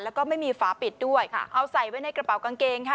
แล้วก็ไม่มีฝาปิดด้วยค่ะเอาใส่ไว้ในกระเป๋ากางเกงค่ะ